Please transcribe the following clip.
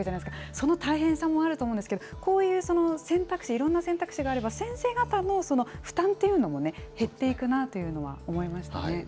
その大変さもあると思うんですけど、こういう選択肢、いろんな選択肢があれば、先生方も負担というのもね、減っていくなあというのは思いましたね。